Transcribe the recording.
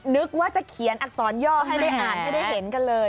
นึกว่าจะเขียนอักษรย่อให้ได้อ่านให้ได้เห็นกันเลย